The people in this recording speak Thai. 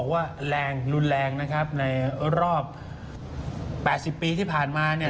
ว่าแรงรุนแรงนะครับในรอบ๘๐ปีที่ผ่านมาเนี่ย